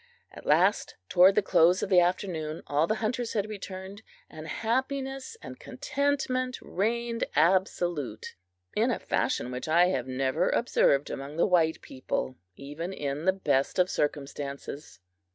At last, toward the close of the afternoon, all the hunters had returned, and happiness and contentment reigned absolute, in a fashion which I have never observed among the white people, even in the best of circumstances.